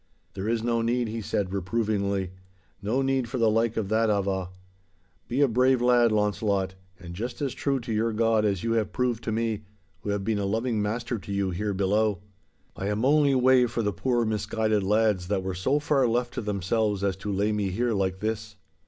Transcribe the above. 'There is no need,' he said, reprovingly, 'no need for the like of that ava'. Be a brave lad, Launcelot, and just as true to your God as you have proved to me, who have been a loving master to you here below. I am only wae for the poor, misguided lads, that were so far left to themselves as to lay me here like this.